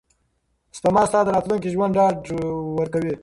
سپما ستا د راتلونکي ژوند ډاډ ورکوي.